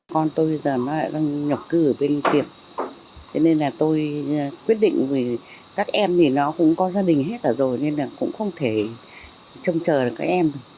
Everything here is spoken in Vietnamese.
con tôi giờ nó lại đang nhập cư ở bên tiệp thế nên là tôi quyết định vì các em thì nó cũng có gia đình hết cả rồi nên là cũng không thể trông chờ được các em